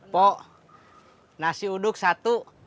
pok nasi uduk satu